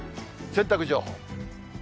洗濯情報。